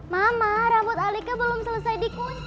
mama rambut alika belum selesai dikunci